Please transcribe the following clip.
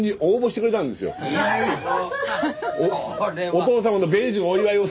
お父様の米寿のお祝いをするから。